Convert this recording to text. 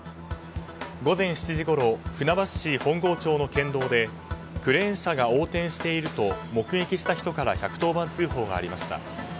午前７時ごろ船橋市本郷町の県道でクレーン車が横転していると目撃した人から１１０番通報がありました。